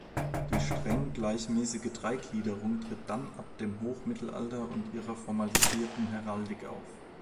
Die streng-gleichmäßige Dreigliederung tritt dann ab dem Hochmittelalter und ihrer formalisierten Heraldik auf.